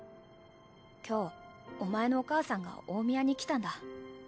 今日お前のお母さんが大宮に来たんだ。